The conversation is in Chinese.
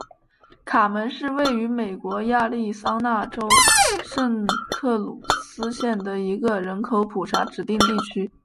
卡门是位于美国亚利桑那州圣克鲁斯县的一个人口普查指定地区。